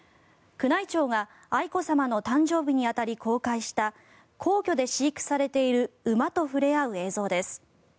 宮内庁が愛子さまの誕生日に当たり公開した皇居で飼育されている馬と触れ合う映像です。